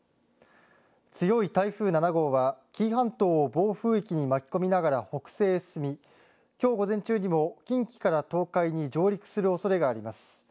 強い台風７号は紀伊半島を暴風域に巻き込みながら北西へ進み、きょう午前中にも近畿から東海に上陸するおそれがあります。